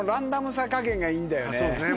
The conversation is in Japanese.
そうですね。